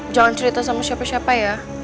jangan cerita sama siapa siapa ya